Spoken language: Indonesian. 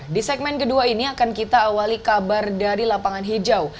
di segmen kedua ini akan kita awali kabar dari lapangan hijau